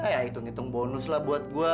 ya hitung hitung bonus lah buat gue